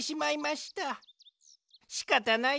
しかたないです。